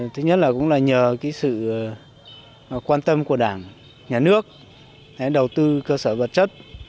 thứ nhất là cũng là nhờ sự quan tâm của đảng nhà nước đầu tư cơ sở vật chất